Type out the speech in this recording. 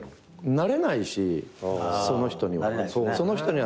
なれないしその人には。